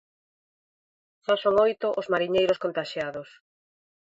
Xa son oito os mariñeiros contaxiados.